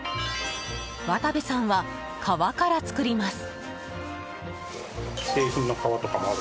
渡部さんは、皮から作ります。